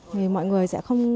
thì mọi người sẽ không